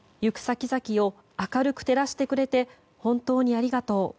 行く先々を明るく照らしてくれて本当にありがとう。